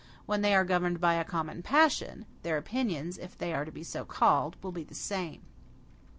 When they are governed by a common passion, their opinions, if they are so to be called, will be the same.